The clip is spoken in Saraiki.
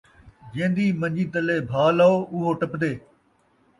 جین٘دی من٘جی تلے بھاء لئو ، اوہو ٹپدے